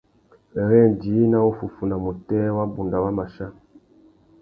Wêrê djï nà wuffuana mutēh wabunda wa mà chia.